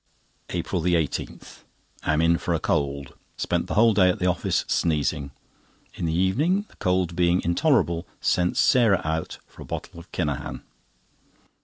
APRIL 18.—Am in for a cold. Spent the whole day at the office sneezing. In the evening, the cold being intolerable, sent Sarah out for a bottle of Kinahan.